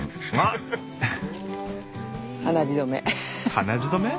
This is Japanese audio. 鼻血止め？